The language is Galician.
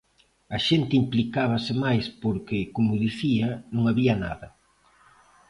A xente implicábase máis porque, como dicía, non había nada.